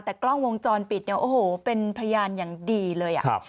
แต่กล้องวงจรปิดเนี่ยโอ้โหเป็นพยานอย่างดีเลยอ่ะ